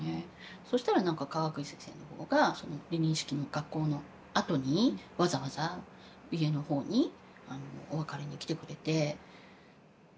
そしたら何かかがくい先生の方が離任式の学校のあとにわざわざ家の方にお別れに来てくれて。